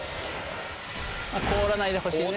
こおらないでほしいね。